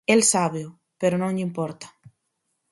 El sábeo, pero non lle importa.